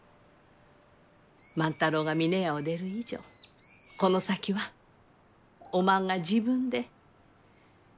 万太郎が峰屋を出る以上この先はおまんが自分で決めたらえい。